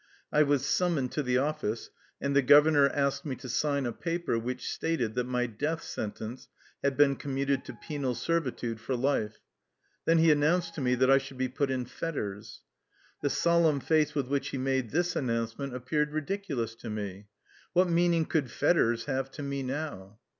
I was summoned to the office, and the governor asked me to sign a paper which stated that my death sentence had been commuted to penal servitude for life. Then he announced to me that I should be put in fetters. The solemn face with which he made this announcement appeared ridiculous to me. What meaning could fetters have to me now?